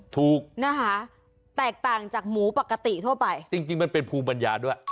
ถูกนะคะแตกต่างจากหมูปกติทั่วไปจริงจริงมันเป็นภูมิปัญญาด้วย